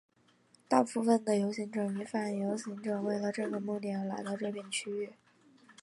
大部分的游行者与反游行者为了这个目的而来到这片区域。